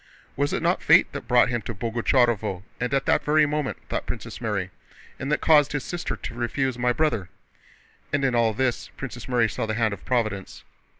"Was it not fate that brought him to Boguchárovo, and at that very moment?" thought Princess Mary. "And that caused his sister to refuse my brother?" And in all this Princess Mary saw the hand of Providence.